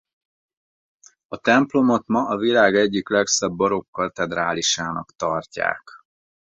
A templomot ma a világ egyik legszebb barokk katedrálisának tartják.